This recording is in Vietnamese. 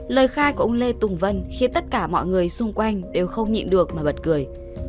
lời khai của ông lê tùng vân khiến tất cả mọi người xung quanh đều không nhịn được mà bật cười